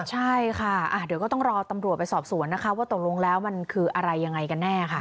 ใช่ค่ะเดี๋ยวก็ต้องรอตำรวจไปสอบสวนนะคะว่าตกลงแล้วมันคืออะไรยังไงกันแน่ค่ะ